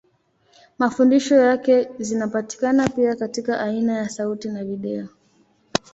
Mafundisho yake zinapatikana pia katika aina ya sauti na video.